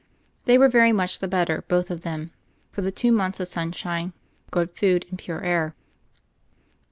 They were very much the bet ter, both of them, for their two months of sun shine, good food, and pure air.